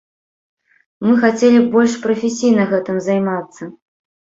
Мы хацелі б больш прафесійна гэтым займацца.